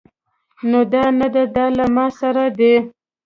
نه دا نده دا له ما سره دی